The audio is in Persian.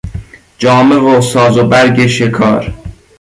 جامه و ساز و برگ شکار